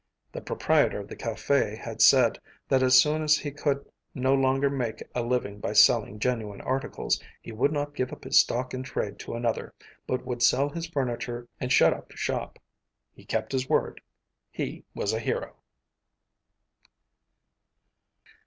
The proprietor of the café had said that as soon as he could no longer make a living by selling genuine articles, he would not give up his stock in trade to another, but would sell his furniture and shut up shop. He kept his word. He was a hero.